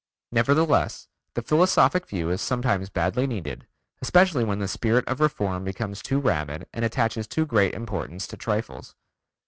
Nevertheless the philosophic view is sometimes badly needed, especially when the spirit of reform becomes too rabid and attaches too great importance to trifles.